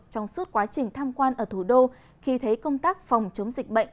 trong suốt quá trình tham quan ở thủ đô khi thấy công tác phòng chống dịch bệnh